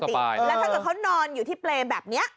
แล้วถ้าเกิดเขานอนอยู่ที่เปรย์แบบนี้